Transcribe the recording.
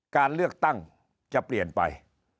การเลือกตั้งจะเปลี่ยนไป